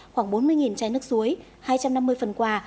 khoảng bốn mươi chai nước suối hai trăm năm mươi phần quà